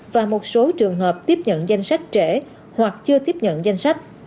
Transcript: và một số trường hợp tiếp nhận danh sách trẻ hoặc chưa tiếp nhận danh sách